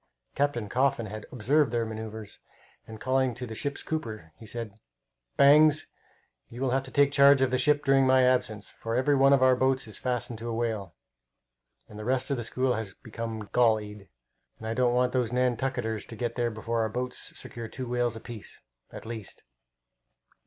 Captain Coffin had observed their manoeuvres, and calling to the ship's cooper, he said, "Bangs, you will have to take charge of the ship during my absence, for every one of our boats is fastened to a whale, and the rest of the school has become gallied, and I don't want those Nantucketers to get there before our boats secure two whales apiece, at least."